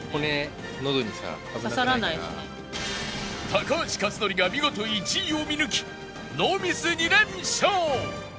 高橋克典が見事１位を見抜きノーミス２連勝！